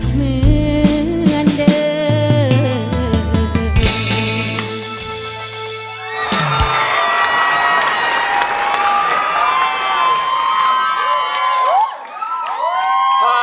เหมือนเดิม